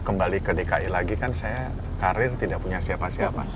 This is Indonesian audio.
kembali ke dki lagi kan saya karir tidak punya siapa siapa